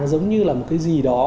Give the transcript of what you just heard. giống như là một cái gì đó